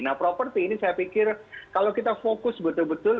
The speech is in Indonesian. nah properti ini saya pikir kalau kita fokus betul betul